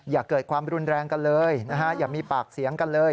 อย่าเกิดความรุนแรงกันเลยนะฮะอย่ามีปากเสียงกันเลย